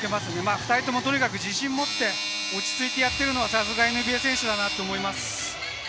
２人とも、とにかく自信を持って落ち着いてやってるのはさすがＮＢＡプレーヤーだなと思います。